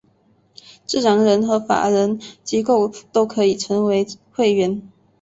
自然人和法人机构都可以成为会员。